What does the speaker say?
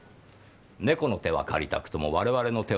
猫の手は借りたくとも我々の手は借りたくない。